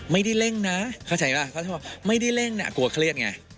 ไม่ได้เร่งนะเข้าใจไหมไม่ได้เร่งนะกลัวเครียดไง